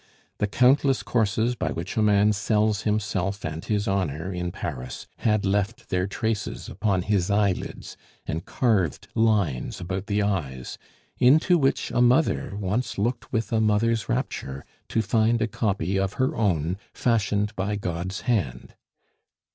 The countless courses by which a man sells himself and his honor in Paris had left their traces upon his eyelids and carved lines about the eyes, into which a mother once looked with a mother's rapture to find a copy of her own fashioned by God's hand.